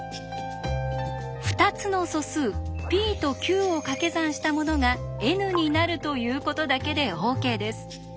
「２つの素数ｐとｑをかけ算したものがＮになる」ということだけでＯＫです。